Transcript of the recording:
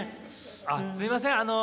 あっすいません。